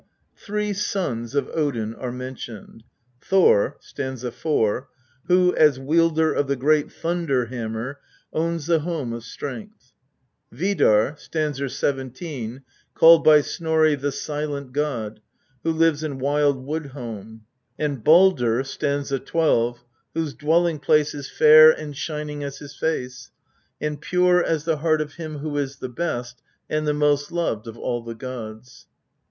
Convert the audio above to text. Three sons of Odin are mentioned : Thor (st. 4), who, as wielder of the great thunder hammer, owns the Home of Strength ; Vidar (st. 17), called by Snorri "the silent god," who lives in wild Wood home; and Baldr (st. 12), whose dwelling place is fair and shining as his face, and pure as the heart of him who is the best, and the most loved of all the gods.